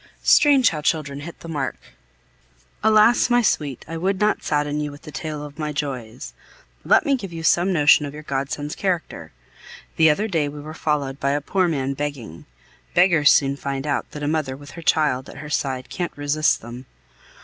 Strange how children hit the mark! Alas! my sweet, I would not sadden you with the tale of my joys. Let me give you some notion of your godson's character. The other day we were followed by a poor man begging beggars soon find out that a mother with her child at her side can't resist them.